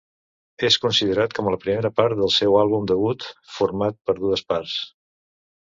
És considerat com la primera part del seu àlbum debut, format per dues parts.